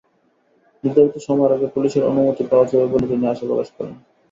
নির্ধারিত সময়ের আগে পুলিশের অনুমতি পাওয়া যাবে বলে তিনি আশা প্রকাশ করেন।